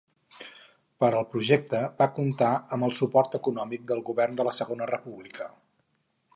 Per al projecte va comptar amb el suport econòmic del govern de la Segona República.